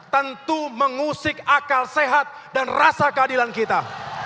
tentu mengusik akal sehat dan rasa keadilan kita